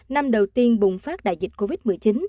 năm đầu tiên bùng phát đại dịch covid một mươi chín